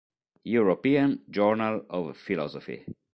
European Journal of Philosophy".